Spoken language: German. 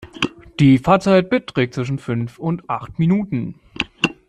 Die Fahrtzeit beträgt zwischen fünf und acht Minuten.